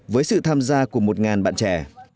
với sự tham gia của một bạn trẻ